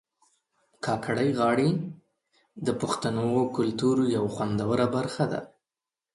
کاکړۍ غاړي د پښتنو کلتور یو خوندوره برخه ده